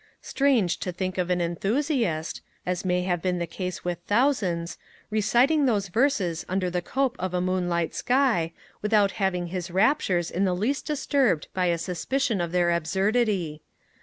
Strange to think of an enthusiast, as may have been the case with thousands, reciting those verses under the cope of a moonlight sky, without having his raptures in the least disturbed by a suspicion of their absurdity!